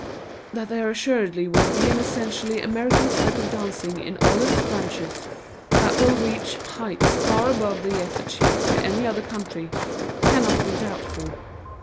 That there assuredly will be an essentially American type of dancing in all its branches, that will reach heights far above that yet achieved by any other country, cannot be doubtful.